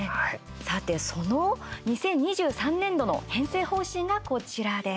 さて、その２０２３年度の編成方針がこちらです。